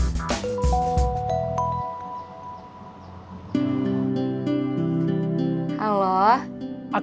aku bilang ke abah dulu